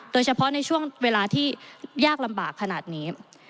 โดยเฉพาะในช่วงเวลาที่ยากลำบากขนาดนี้